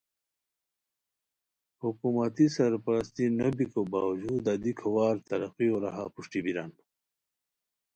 حکومتی سرپرسرتی نو بیکو باوجودا دی کھوار ترقیو راہاپروشٹی بیران